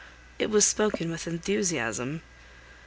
It was spoken with enthusiasm.